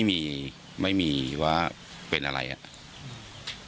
ไม่มีว่าเป็นอะไรฮะ